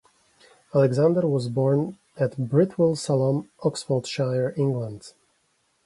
Alexander was born at Britwell Salome, Oxfordshire, England.